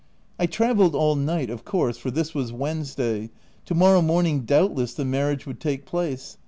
I travelled all night of course, for this was Wednesday : to morrow morning, doubtless, the marriage would take place.